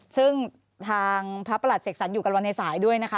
ซึ่งทางพระประหลัดเสกสรรอยู่กันวันในสายด้วยนะคะ